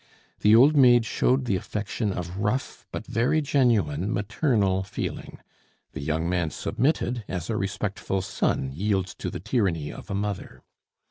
The old maid showed the affection of rough but very genuine maternal feeling; the young man submitted, as a respectful son yields to the tyranny of a mother.